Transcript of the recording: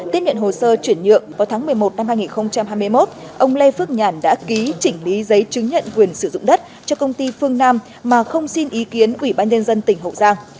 tiếp nhận hồ sơ chuyển nhượng vào tháng một mươi một năm hai nghìn hai mươi một ông lê phước nhàn đã ký chỉnh lý giấy chứng nhận quyền sử dụng đất cho công ty phương nam mà không xin ý kiến ủy ban nhân dân tỉnh hậu giang